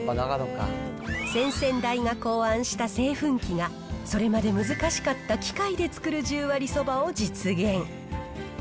先々代が考案した製粉機が、それまで難しかった機械で作る十割そばを実現。